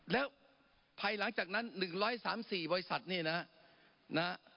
แล้วภายหลังจากนั้น๑๓๔บริษัทนี่นะฮะ